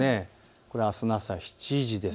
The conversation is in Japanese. これはあすの朝７時です。